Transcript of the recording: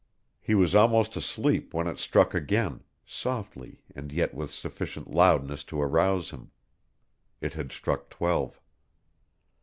He was almost asleep when it struck again softly, and yet with sufficient loudness to arouse him. It had struck twelve.